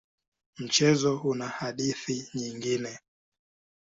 Mchezo una hadithi nyingine.